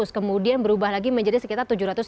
kemudian berubah lagi menjadi sekitar tujuh ratus lima puluh